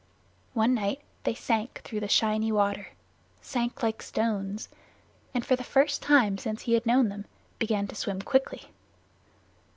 One night they sank through the shiny water sank like stones and for the first time since he had known them began to swim quickly.